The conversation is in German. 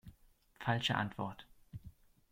Falsche Antwort.